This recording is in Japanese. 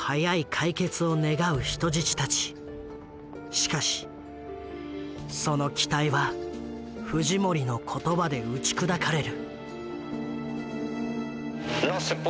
しかしその期待はフジモリの言葉で打ち砕かれる。